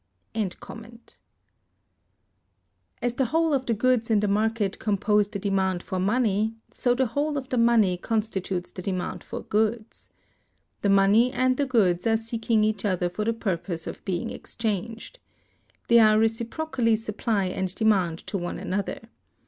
(228) As the whole of the goods in the market compose the demand for money, so the whole of the money constitutes the demand for goods. The money and the goods are seeking each other for the purpose of being exchanged. They are reciprocally supply and demand to one another.